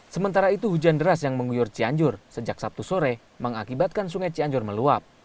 sementara itu hujan deras yang mengguyur cianjur sejak sabtu sore mengakibatkan sungai cianjur meluap